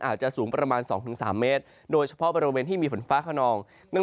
อาจจะสูงประมาณ๒๓เมตรโดยเฉพาะบริเวณที่มีฝนฟ้าขนอง